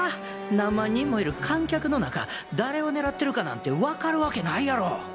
何万人もいる観客の中誰を狙ってるかなんてわかるわけないやろ！